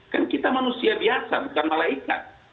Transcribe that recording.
kan kita manusia biasa bukan malaikat